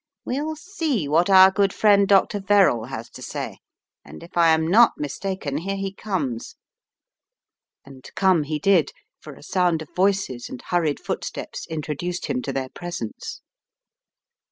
We'll see what our good friend Dr. Verrall has to say, and if I am not mistaken, here he comes." And come he did, for a sound of voices and hurried footsteps introduced him to their presence.